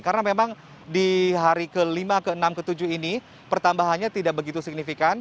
karena memang di hari ke lima ke enam ke tujuh ini pertambahannya tidak begitu signifikan